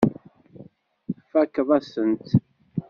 Tfakkeḍ-asen-tt.